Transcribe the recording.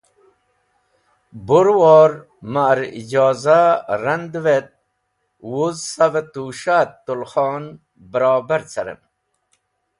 Bu rẽwor ma’r ijoza randev et wuz sav tus̃ha u talkhon barobar carem.